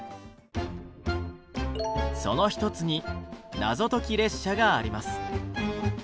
その一つに「謎解列車」があります。